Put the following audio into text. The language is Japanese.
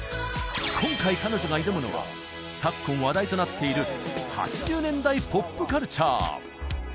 今回彼女が挑むのは昨今話題となっている８０年代ポップカルチャー